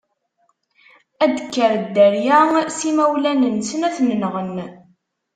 Ad d-tekker dderya s imawlan-nsen, ad ten-nɣen.